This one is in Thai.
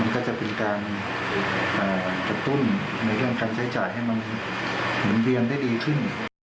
ก็จะเป็นการกระตุ้นในเรื่องการใช้จ่ายให้มันหมุนเวียนได้ดีขึ้น